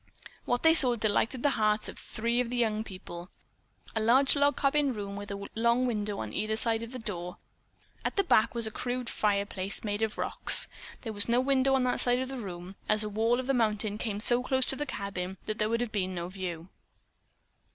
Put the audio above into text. What they saw delighted the hearts of three of the young people. A large log cabin room with a long window on either side of the door. At the back was a crude fireplace made of rocks. There was no window on that side of the room, as a wall of the mountain came so close to the cabin that there would have been no view.